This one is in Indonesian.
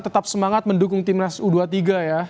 tetap semangat mendukung timnas u dua puluh tiga ya